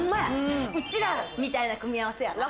うちらみたいな組み合わせやな。